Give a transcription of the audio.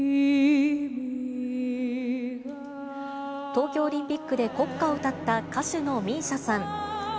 東京オリンピックで国歌を歌った歌手のＭＩＳＩＡさん。